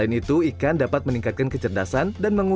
lantas ikan apa saja yang mengandung omega tiga